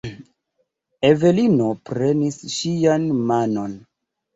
Evelino prenis ŝian manon.